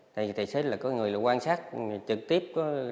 tài xế là có người quan sát trực tiếp